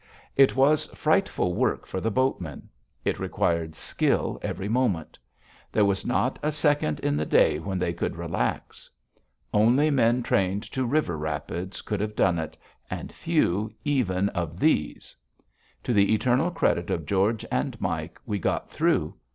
It was frightful work for the boatmen. It required skill every moment. There was not a second in the day when they could relax. Only men trained to river rapids could have done it, and few, even, of these. To the eternal credit of George and Mike, we got through.